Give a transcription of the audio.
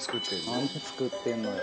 何作ってんのよ。